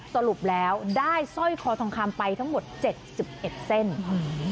สรุปแล้วได้สร้อยคอทองคำไปทั้งหมดเจ็ดสิบเอ็ดเส้นอืม